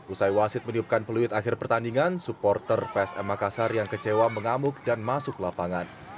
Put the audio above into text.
usai wasit meniupkan peluit akhir pertandingan supporter psm makassar yang kecewa mengamuk dan masuk lapangan